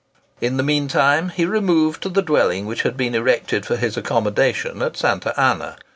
In the mean time he removed to the dwelling which had been erected for his accommodation at Santa Anna.